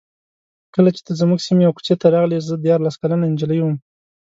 کله چې ته زموږ سیمې او کوڅې ته راغلې زه دیارلس کلنه نجلۍ وم.